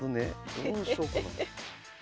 どうしようかな。